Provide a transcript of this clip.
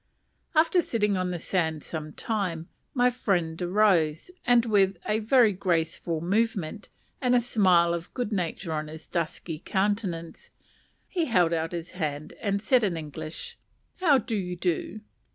After sitting on the sand some time, my friend arose, and with a very graceful movement, and a smile of good nature on his dusky countenance, he held out his hand and said in English, "How do you do?"